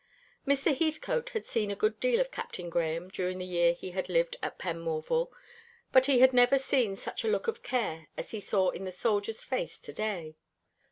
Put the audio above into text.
Mr. Heathcote had seen a good deal of Captain Grahame during the year he had lived at Penmorval; but he never had seen such a look of care as he saw in the soldier's face to day.